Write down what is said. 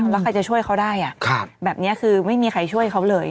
แล้วใครจะช่วยเขาได้แบบนี้คือไม่มีใครช่วยเขาเลย